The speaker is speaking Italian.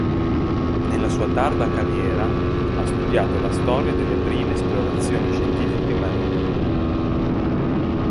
Nella sua tarda carriera ha studiato la storia delle prime esplorazioni scientifiche marine.